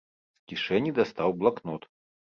З кішэні дастаў блакнот.